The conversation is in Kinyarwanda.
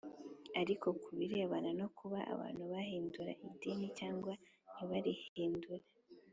Ariko ku birebana no kuba abantu bahindura idini cyangwa ntibarihindure